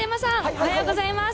おはようございます。